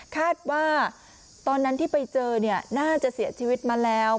คาดว่าตอนนั้นที่ไปเจอน่าจะเสียชีวิตมาแล้ว